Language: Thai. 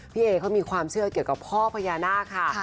พี่เอเขามีความเชื่อเกี่ยวกับพ่อพญานาคค่ะ